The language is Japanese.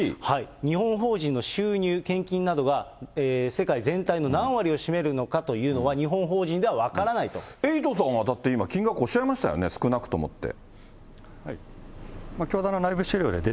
日本法人の収入、献金などが世界全体の何割を占めるのかというのは日本法人とは分エイトさんはだって今、金額おっしゃいましたよね、少なくともって。